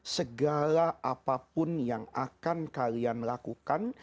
segala apapun yang akan kalian lakukan